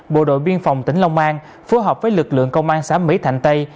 bộ đội biên phòng tỉnh long an phối hợp với lực lượng công an xã mỹ thạnh tây